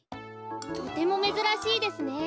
とてもめずらしいですね。